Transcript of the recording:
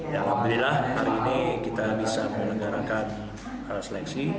dan alhamdulillah hari ini kita bisa menegarkan para seleksi